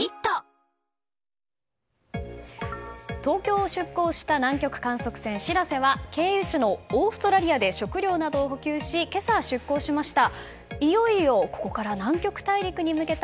東京を出港した南極観測船「しらせ」は経由地のオーストラリアで食料などを補給し今朝、出港しました。